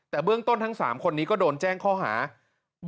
แต่เบื้องต้นทั้ง๓คนนี้ก็โดนแจ้งข้อหา